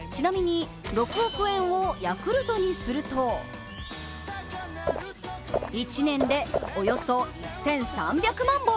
ちなみに６億円をヤクルトにすると１年でおよそ１３００万本！